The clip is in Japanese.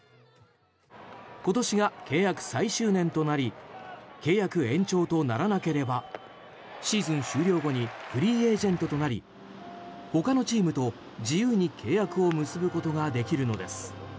今年が契約最終年となり契約延長とならなければシーズン終了後にフリーエージェントとなり他のチームと自由に契約を結ぶことができるのです。